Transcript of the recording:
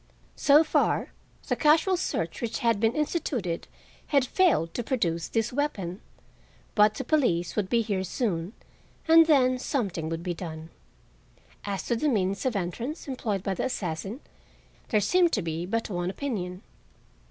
So far, the casual search which had been instituted had failed to produce this weapon; but the police would be here soon and then something would be done. As to the means of entrance employed by the assassin, there seemed to be but one opinion.